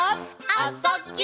「あ・そ・ぎゅ」